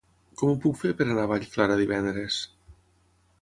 Com ho puc fer per anar a Vallclara divendres?